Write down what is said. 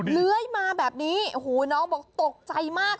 เลื่อยมาแบบนี้น้องบอกตกใจมาก